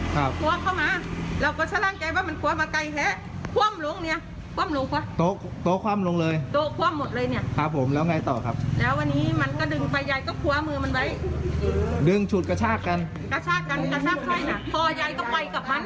ถึงรอบครั้งนั้นหวะ